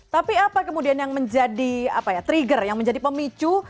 tapi apa kemudian yang menjadi trigger yang menjadi pemicu